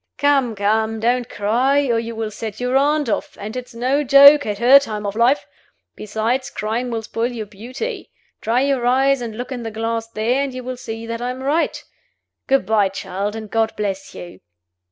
Come, come! don't cry, or you will set your aunt off and it's no joke at her time of life. Besides, crying will spoil your beauty. Dry your eyes and look in the glass there, and you will see that I am right. Good by, child and God bless you!"